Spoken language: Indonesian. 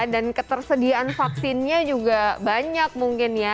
dan ketersediaan vaksinnya juga banyak mungkin ya